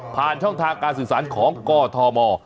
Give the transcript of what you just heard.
ช่องทางการสื่อสารของกธม